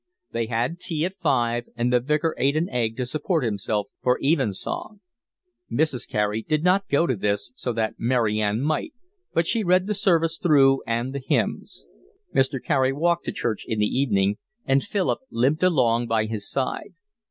They had tea at five, and the Vicar ate an egg to support himself for evensong. Mrs. Carey did not go to this so that Mary Ann might, but she read the service through and the hymns. Mr. Carey walked to church in the evening, and Philip limped along by his side.